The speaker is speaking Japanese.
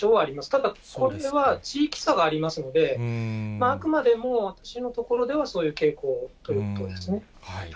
ただ、これは地域差がありますので、あくまでも私の所ではそういう傾向ということですね。